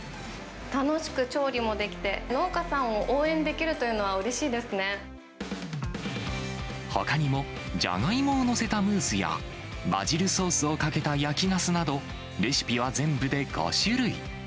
楽しく調理もできて、農家さんを応援できるというのはうれしいでほかにも、ジャガイモを載せたムースや、バジルソースをかけた焼きナスなど、レシピは全部で５種類。